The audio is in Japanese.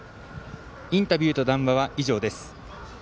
インタビューと談話は以上です。